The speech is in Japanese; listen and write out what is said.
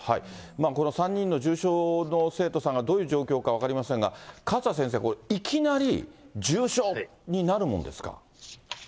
この３人の重症の生徒さんがどういう状況か分かりませんが、勝田先生、これ、いきなり重症になるもんですか？